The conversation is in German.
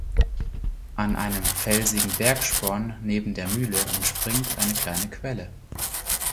An einem felsigen Bergsporn neben der Mühle entspringt eine kleine Quelle.